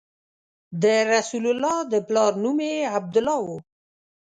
د رسول الله د پلار نوم یې عبدالله و.